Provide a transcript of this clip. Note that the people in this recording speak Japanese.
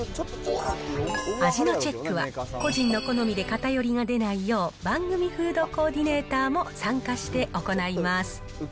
味のチェックは、個人の好みで偏りが出ないよう、番組フードコーディネーターも参加して行います。